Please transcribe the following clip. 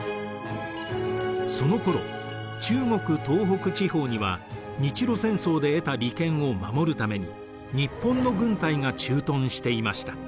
そのころ中国東北地方には日露戦争で得た利権を守るために日本の軍隊が駐屯していました。